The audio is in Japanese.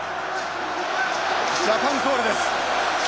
ジャパンコールです。